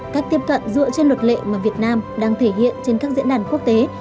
cách tiếp cận dựa trên luật lệ mà việt nam đang thể hiện trên các diễn đàn quốc tế